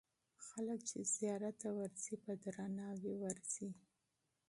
خلک چې زیارت ته ورځي، په درناوي ورځي.